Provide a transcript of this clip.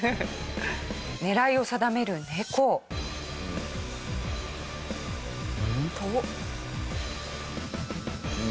狙いを定める猫。と。